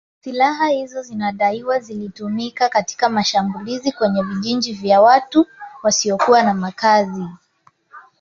Silaha hizo zinadaiwa zilitumika katika mashambulizi kwenye vijiji vya watu wasiokuwa na makazi